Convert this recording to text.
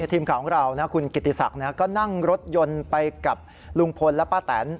ทีมข่าวของเราคุณกิติศักดิ์ก็นั่งรถยนต์ไปกับลุงพลและป้าแตน